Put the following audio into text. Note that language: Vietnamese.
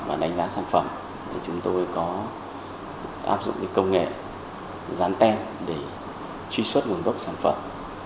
và đánh giá sản phẩm thì chúng tôi có áp dụng công nghệ dán tem để truy xuất nguồn gốc sản phẩm